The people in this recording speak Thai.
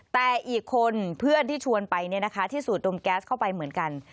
แต่อีกคนเพื่อนที่ชวนไปที่สูดดมแก๊สเข้าไปเหมือนกัน